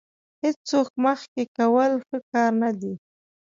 هېڅوک مخکې کول ښه کار نه دی.